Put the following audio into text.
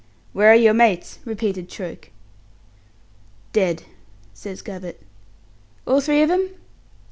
"Where are your mates?" repeated Troke. "Dead," says Gabbett. "All three of them?"